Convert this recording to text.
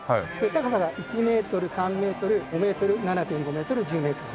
高さが１メートル３メートル５メートル７．５メートル１０メートル。